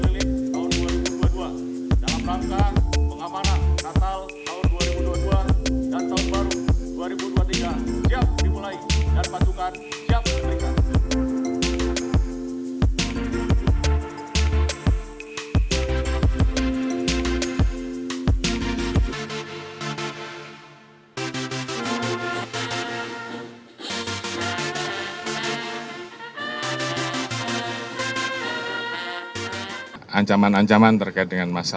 laporan komandan ap